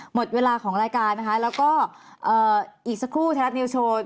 หมดเวลาของรายการนะคะแล้วก็อีกสักครู่ไทยรัฐนิวโชว์